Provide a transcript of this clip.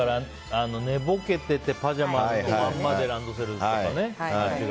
寝ぼけてて、パジャマのままでランドセルとかね。